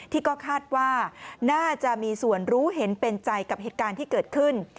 ที่ก็คาดว่าน่าจะมีส่วนรู้เห็นเป็นใจกับเหตุการณ์ที่เกิดขึ้น